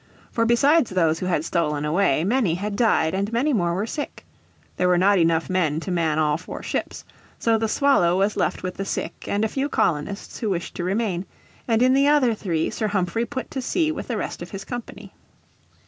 For besides those who had stolen away, many had died and many more were sick. There were not enough men to man all four ships. So the Swallow was left with the sick and a few colonists who wished to remain, and in the other three Sir Humphrey put to sea with the rest of his company.